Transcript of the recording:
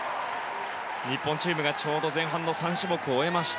日本チームがちょうど前半の３種目を終えました。